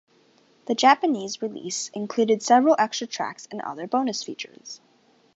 The Japanese release included several extra tracks and other bonus features.